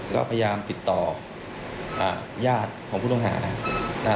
ก็พยายามติดต่อญาติของผู้ต้องหานะฮะ